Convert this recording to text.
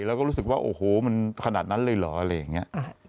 แล้วก็รู้สึกว่าโอ้โหมันขนาดนั้นเลยเหรออะไรอย่างนี้